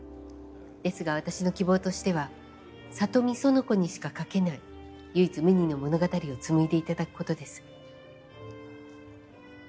ですが私の希望としては里見苑子にしか書けない唯一無二の物語を紡いでいただくことです。